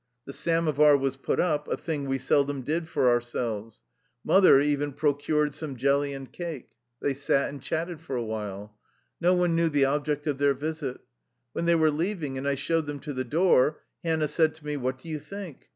The samovar was put up — a thing we seldom did for ourselves. Mother even pro 26 THE LIFE STORY OF A RUSSIAN EXILE cured some jelly and cake. They sat and chatted for a while. No one knew the object of their visit. When they were leaving and I showed them to the door, Hannah said to me: "What do you think?